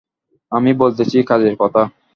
আমি বলিতেছি কাজের কথা।